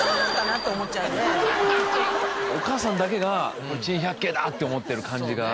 お母さんだけが「これ珍百景だ」って思ってる感じが。